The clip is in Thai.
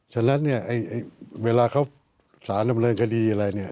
ฉะนั้นเวลาเขาสารดำเนินคดีอะไร